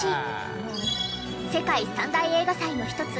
世界三大映画祭の一つ